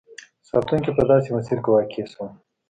ساتونکي په داسې مسیر کې واقع شول.